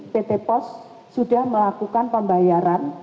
pt pos sudah melakukan pembayaran